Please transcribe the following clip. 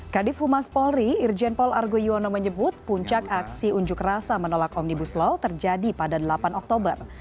kadif humas polri irjen paul argo yono menyebut puncak aksi unjuk rasa menolak omnibus law terjadi pada delapan oktober